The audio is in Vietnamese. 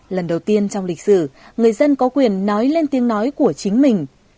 lần đầu tiên trong lịch sử người dân có quyền nói lên tiếng nói của chính mình